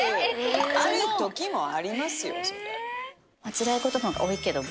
つらいことのほうが多いけども。